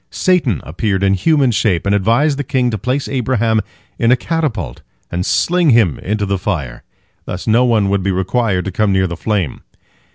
Satan appeared in human shape, and advised the king to place Abraham in a catapult and sling him into the fire. Thus no one would be required to come near the flame.